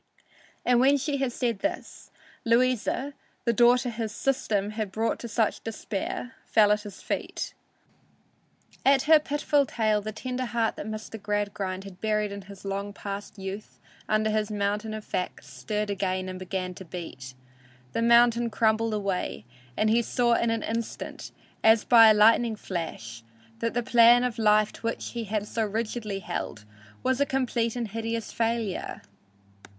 And when she had said this, Louisa, the daughter his "system" had brought to such despair, fell at his feet. At her pitiful tale the tender heart that Mr. Gradgrind had buried in his long past youth under his mountain of facts stirred again and began to beat. The mountain crumbled away, and he saw in an instant, as by a lightning flash, that the plan of life to which he had so rigidly held was a complete and hideous failure.